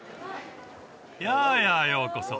やあやあようこそ